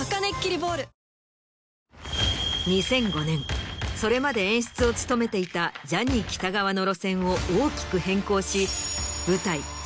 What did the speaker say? ２００５年それまで演出を務めていたジャニー喜多川の路線を大きく変更し舞台